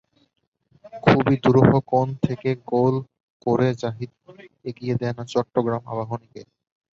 খুবই দুরূহ কোণ থেকে গোল করে জাহিদই এগিয়ে দেন চট্টগ্রাম আবাহনীকে।